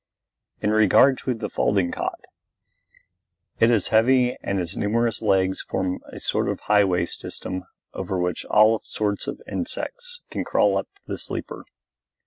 In regard to the folding cot: It is heavy and its numerous legs form a sort of highway system over which all sorts of insects can crawl up to the sleeper.